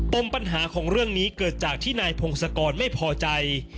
มปัญหาของเรื่องนี้เกิดจากที่นายพงศกรไม่พอใจ